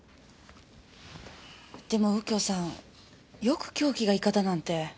でも右京さんよく凶器がイカだなんて。